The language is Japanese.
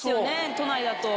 都内だと。